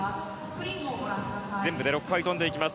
全部で６回飛んでいきます。